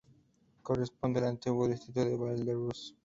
Corresponde al antiguo distrito de Val-de-Ruz.